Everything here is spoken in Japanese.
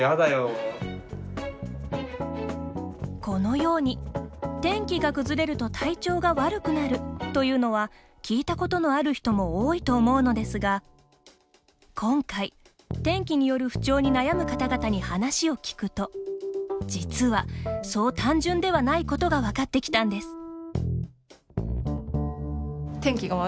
このように、天気が崩れると体調が悪くなるというのは聞いたことのある人も多いと思うのですが今回、天気による不調に悩む方々に話を聞くと実はそう単純ではないことが分かってきたんです。